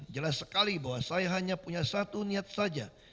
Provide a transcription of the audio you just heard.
jelas sekali bahwa saya hanya punya satu niat saja